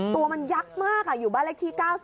ตัวมันยักษ์มากอยู่บ้านเลขที่๙๐